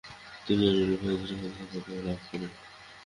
তিনি রুজভেল্ট পদক লাভ করেন।